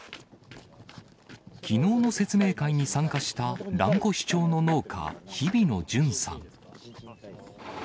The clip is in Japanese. きのうの説明会に参加した蘭越町の農家、日比野準さん。